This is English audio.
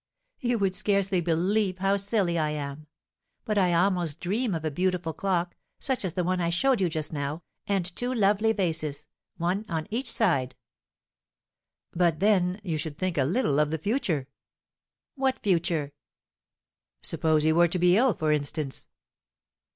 You would scarcely believe how silly I am; but I almost dream of a beautiful clock, such a one as I showed you just now, and two lovely vases, one on each side." "But, then, you should think a little of the future." "What future?" "Suppose you were to be ill, for instance."